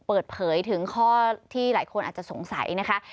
เปิดเผยถึงข้อที่หลายคนอาจจะสงสัยนะคะ